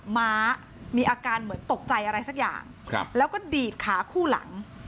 ม้ามีอาการเหมือนตกใจอะไรสักอย่างแล้วก็ดีดขาคู่หลัง